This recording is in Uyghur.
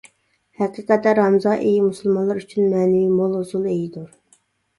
ھەقىقەتەن رامىزان ئېيى مۇسۇلمانلار ئۈچۈن مەنىۋى مول ھوسۇل ئېيىدۇر.